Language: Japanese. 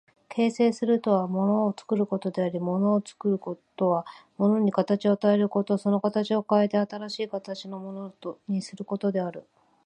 形成するとは物を作ることであり、物を作るとは物に形を与えること、その形を変えて新しい形のものにすることである。